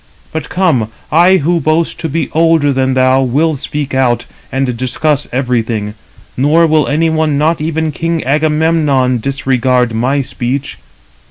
But come, I who boast to be older than thou, will speak out, and discuss everything: nor will any one, not even king Agamemnon, disregard my speech.